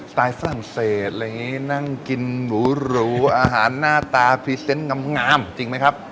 ไตล์ฝรั่งเศสอะไรอย่างนี้นั่งกินหรูอาหารหน้าตาพรีเซนต์งามจริงไหมครับ